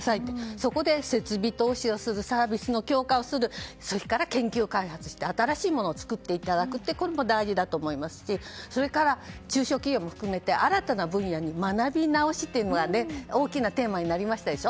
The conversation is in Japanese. そこで設備投資やサービスの強化をするそれから研究・開発して新しいものを作っていただくことも大事だと思いますしそれから、中小企業も含めて新たな分野に学び直しというのが大きなテーマになりましたでしょ。